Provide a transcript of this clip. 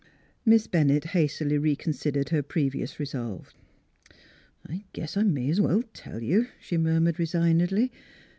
Miss Bennett hastily reconsidered her previous resolve. " I guess I may 's well tell you," she murmured resignedly.